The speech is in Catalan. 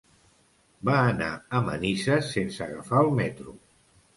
Va anar a Manises sense agafar el metro.